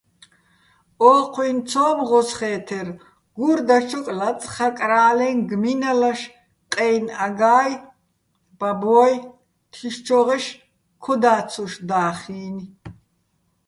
ოჴუჲნი ცომ ღოსხე́თერ, გურ დაჩოკ ლაწხაკრა́ლე, გმინალაშ, ყეჲნი აგა́ჲ, ბაბო́ჲ, თიშჩო́ღეშ ქოდა́ცუშ და́ხინი̆.